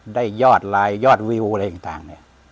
ได้ยอดรายยอดวิวอะไรอย่างต่าง